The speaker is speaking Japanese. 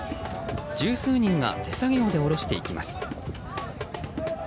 十数人が手作業で下ろしていきます。